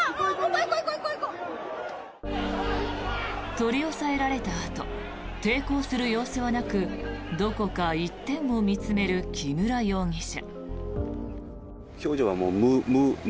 取り押さえられたあと抵抗する様子はなくどこか一点を見つめる木村容疑者。